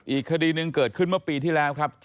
อีกคดีหนึ่งเกิดขึ้นเมื่อปีที่แล้วครับ